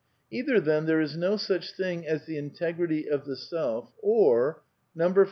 Either, then, there is no such thing as the integrily of the self, or :. 6.